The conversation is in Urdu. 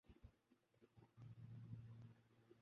کہ وہ معدے کے کینسر میں